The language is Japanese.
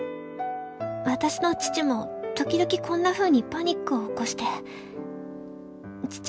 「私の父も時々こんな風にパニックを起こして」。